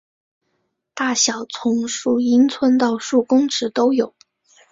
大小从数英寸到数公尺都有。